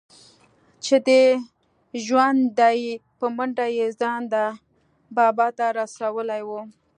چې دى ژوندى دى په منډه يې ځان ده بابا ته رسولى و.